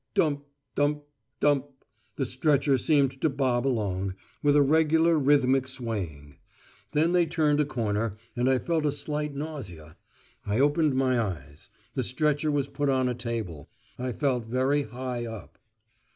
"Dump, dump, dump." The stretcher seemed to bob along, with a regular rhythmic swaying. Then they turned a corner, and I felt a slight nausea. I opened my eyes. The stretcher was put on a table. I felt very high up.